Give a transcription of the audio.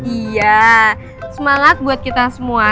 iya semangat buat kita semua